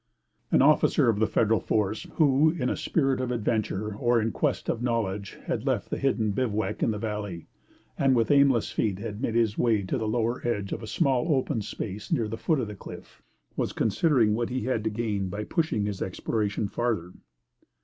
An officer of the Federal force, who, in a spirit of adventure or in quest of knowledge, had left the hidden bivouac in the valley, and, with aimless feet, had made his way to the lower edge of a small open space near the foot of the cliff, was considering what he had to gain by pushing his exploration further.